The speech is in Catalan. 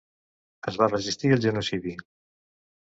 Es va resistir al genocidi.